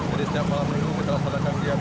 jadi setiap malam minggu kita laporkan kelihatan